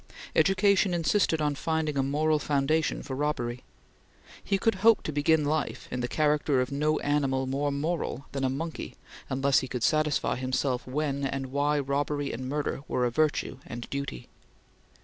Education insisted on finding a moral foundation for robbery. He could hope to begin life in the character of no animal more moral than a monkey unless he could satisfy himself when and why robbery and murder were a virtue and duty.